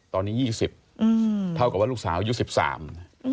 ตอนนี้๒๐ครั้งเท่ากับว่าลูกสาวยุค๑๓ครั้ง